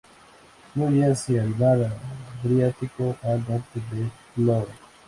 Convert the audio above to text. Fluye hacia el mar Adriático, al norte de Vlorë.